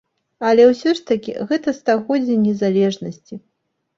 Але, усё ж такі, гэта стагоддзе незалежнасці.